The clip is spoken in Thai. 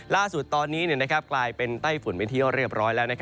ล่าสุดตอนนี้กลายเป็นไต้ฝุ่นเป็นที่เรียบร้อยแล้ว